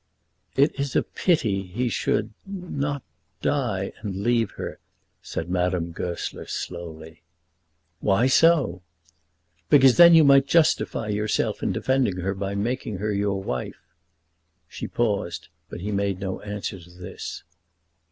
"It is a pity he should not die, and leave her," said Madame Goesler slowly. "Why so?" "Because then you might justify yourself in defending her by making her your wife." She paused, but he made no answer to this.